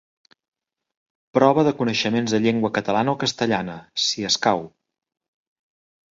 Prova de coneixements de llengua catalana o castellana, si escau.